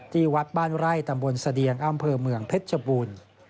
ที่วัดบ้านไร่ตำบลเสดียงอำเภอเมืองเพชรชบูรณ์